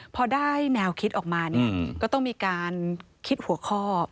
พอได้แนวคิดออกมาเนี่ยก็ต้องมีการคิดหัวข้อ